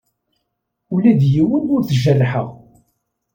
Ula d yiwen ur t-jerrḥeɣ.